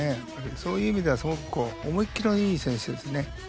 そういう意味ではすごく思い切りのいい選手ですね。